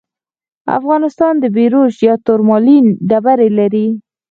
افغانستان د بیروج یا تورمالین ډبرې لري.